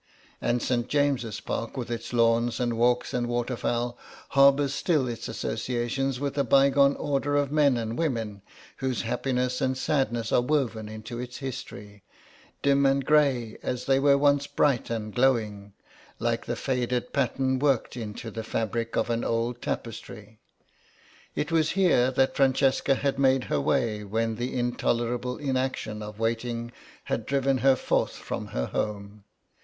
And St. James's Park, with its lawns and walks and waterfowl, harbours still its associations with a bygone order of men and women, whose happiness and sadness are woven into its history, dim and grey as they were once bright and glowing, like the faded pattern worked into the fabric of an old tapestry. It was here that Francesca had made her way when the intolerable inaction of waiting had driven her forth from her home.